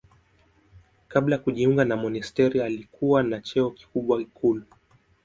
Kabla ya kujiunga na monasteri alikuwa na cheo kikubwa ikulu.